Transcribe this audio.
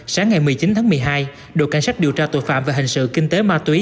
sáng ngày một mươi chín tháng một mươi hai đội cảnh sát điều tra tội phạm về hình sự kinh tế ma túy